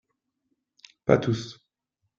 Pas tous